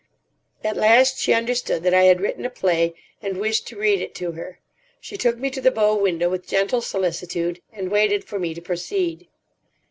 At last she understood that I had written a play, and wished to read it to her. She took me to the bow window with gentle solicitude, and waited for me to proceed.